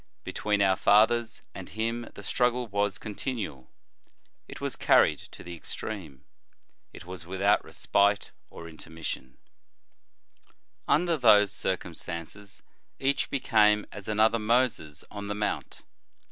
Between our fathers and him the struggle was con tinual ; it was carried to the extreme ; it was without respite or intermission, Under those circumstances each became as another Moses on the Mount.